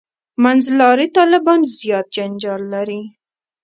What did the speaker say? «منځلاري طالبان» زیات جنجال لري.